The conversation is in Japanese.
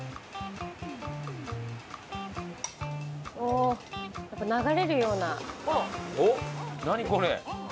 おおやっぱ流れるような。